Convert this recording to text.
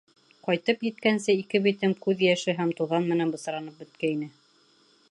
Ҡайтып еткәнсе ике битем күҙ йәше һәм туҙан менән бысранып бөткәйне.